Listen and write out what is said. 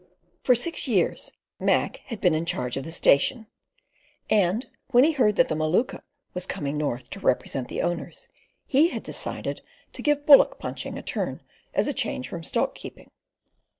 For six years Mac had been in charge of the station, and when he heard that the Maluka was coming north to represent the owners, he had decided to give bullock punching a turn as a change from stock keeping.